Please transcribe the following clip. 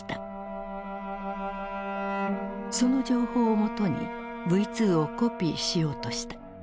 その情報をもとにＶ２をコピーしようとした。